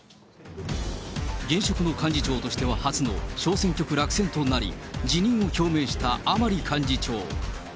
現職の幹事長としては初の小選挙区落選となり、辞任を表明した甘利幹事長。